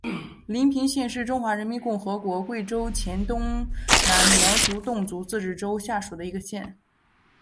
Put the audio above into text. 黎平县是中华人民共和国贵州省黔东南苗族侗族自治州下属的一个县。